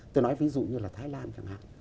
tôi nói ví dụ như là thái lan chẳng hạn